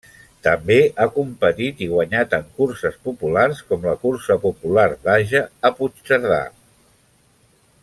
També ha competit i guanyat en curses populars, com la cursa popular d'Age, a Puigcerdà.